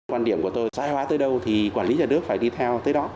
quan điểm của tôi xã hội hóa tới đâu thì quản lý nhà nước phải đi theo tới đó